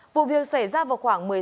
vụ việc xảy ra vào khoảng một mươi sáu h